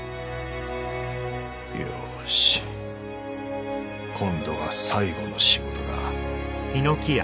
よし今度は最後の仕事だ。